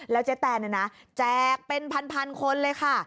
เจ๊แตนเนี่ยนะแจกเป็นพันคนเลยค่ะ